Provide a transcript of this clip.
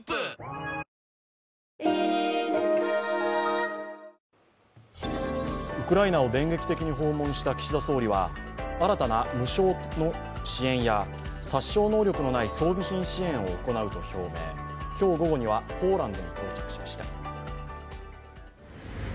ピンポーンウクライナを電撃的に訪問した岸田総理は新たな無償の支援や殺傷能力のない装備品支援を行うと表明今日午後にはポーランドに到着しました。